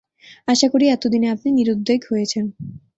আশা করি এতদিনে আপনি নিরুদ্বেগ হয়েছেন।